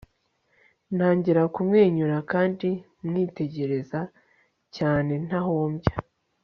ntangira kumwenyura kandi mwitegereza cyane ntahumbya